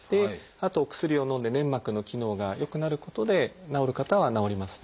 あとお薬をのんで粘膜の機能が良くなることで治る方は治りますね。